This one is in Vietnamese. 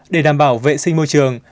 để đảm bảo vệ sinh môi trường